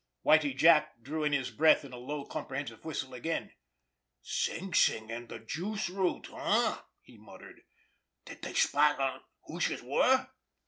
Whitie Jack drew in his breath in a low, comprehensive whistle again. "Sing Sing, an' de juice route—eh?" he muttered. "Did dey spot who youse were?"